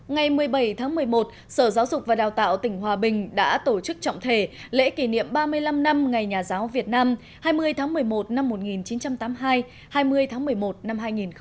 ngày một mươi bảy tháng một mươi một sở giáo dục và đào tạo tỉnh hòa bình đã tổ chức trọng thể lễ kỷ niệm ba mươi năm năm ngày nhà giáo việt nam hai mươi tháng một mươi một năm một nghìn chín trăm tám mươi hai hai mươi tháng một mươi một năm hai nghìn một mươi chín